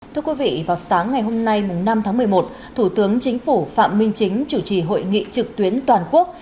thưa quý vị vào sáng ngày hôm nay năm tháng một mươi một thủ tướng chính phủ phạm minh chính chủ trì hội nghị trực tuyến toàn quốc